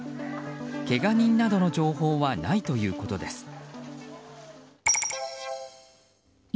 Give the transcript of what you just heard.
けが人などの情報はないということです。